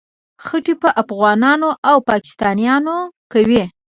خټې په افغانانو او پاکستانیانو کوي.